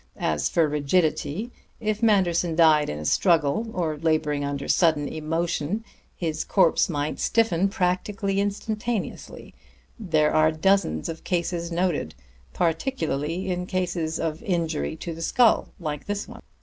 As for rigidity, if Manderson died in a struggle, or laboring under sudden emotion, his corpse might stiffen practically instantaneously: there are dozens of cases noted, particularly in cases of injury to the skull, like this one.